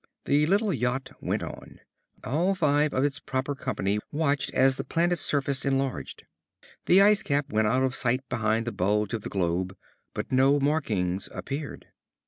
The little yacht went on. All five of its proper company watched as the planet's surface enlarged. The ice cap went out of sight around the bulge of the globe, but no markings appeared.